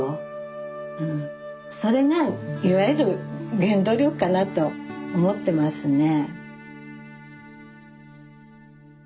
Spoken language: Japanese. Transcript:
それがいわゆる原動力かなと思ってますね。